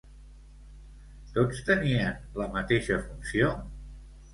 Tots tenien la mateixa funció?